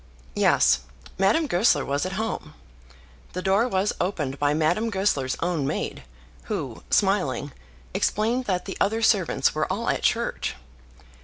Yes; Madame Goesler was at home. The door was opened by Madame Goesler's own maid, who, smiling, explained that the other servants were all at church.